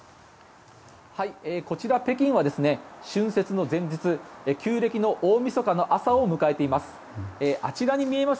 こちら、北京は春節の前日旧暦の大みそかの朝を迎えています。